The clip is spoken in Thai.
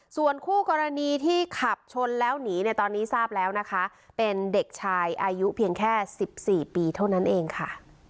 ส่วนคู่กรณีที่ขับชนแล้วหนีเนี่ยตอนนี้ทราบแล้วนะคะเป็นเด็กชายอายุเพียงแค่๑๔ปีเท่านั้นเองค่ะ